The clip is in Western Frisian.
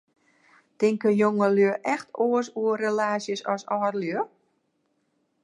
Tinke jongelju echt oars oer relaasjes as âldelju?